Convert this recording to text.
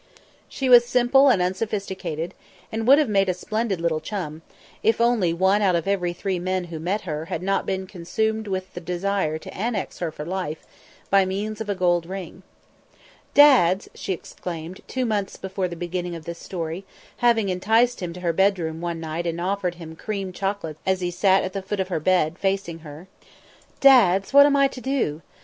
She was simple and unsophisticated and would have made a splendid little chum, if only one out of every three men who met her had not been consumed with a desire to annex her for life by means of a gold ring. "Dads," she exclaimed, two months before the beginning of this story, having enticed him to her bedroom one night and offered him cream chocolates as he eat at the foot of her bed, facing her. "Dads, what am I to do?